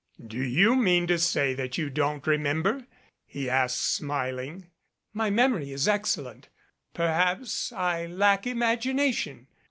"Do you mean to say that you don't remember?" he asked smiling. "My memory is excellent. Perhaps I lack imagina tion.